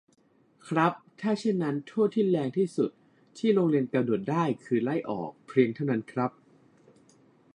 ครับ ถ้าเช่นนั้น โทษที่แรงที่สุด ที่โรงเรียนกำหนดได้ คือ ไล่ออก เพียงเท่านั้นครับ